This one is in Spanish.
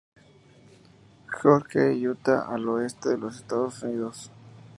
George, Utah al oeste de los Estados Unidos.